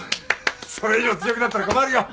それ以上強くなったら困るよ。